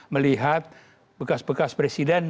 melihat bekas bekas presiden